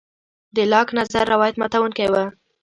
د لاک نظر روایت ماتوونکی و.